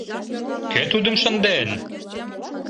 Кӧ тудым шынден?